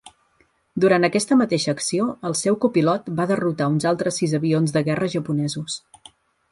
Durant aquesta mateixa acció, el seu copilot va derrotar uns altres sis avions de guerra japonesos.